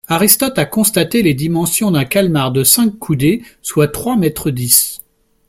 Aristote a constaté les dimensions d'un calmar de cinq coudées, soit trois mètres dix.